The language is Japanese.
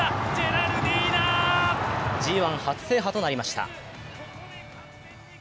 ＧⅠ初制覇となりました。